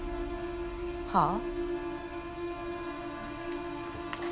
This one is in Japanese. はあ？